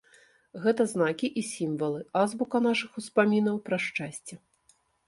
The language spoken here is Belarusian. Гэта знакі і сімвалы, азбука нашых успамінаў пра шчасце.